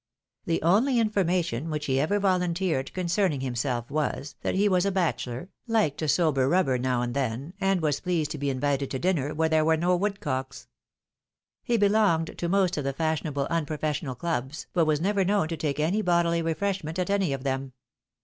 The only information which he ever volunteered concerning himself was, that he was a bachelor, liked a sober rubber now and then, and was pleased to be invited to dinner where there were woodcocks. He be longed to most of the fashionable unprofessional clubs, but was never known to take any bodily refreshment at any of them.